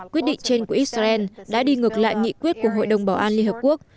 quyết định trên của israel đã đi ngược lại nghị quyết của hội đồng bảo an liên hợp quốc